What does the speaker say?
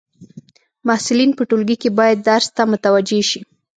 محصلین په ټولګی کي باید درس ته متوجي سي.